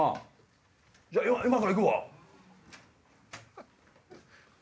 じゃあ今から行くわ。